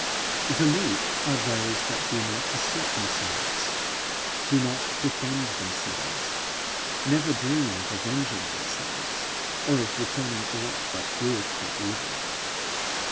The meek are those that do not assert themselves, do not defend themselves, never dream of avenging themselves, or of returning aught but good for evil.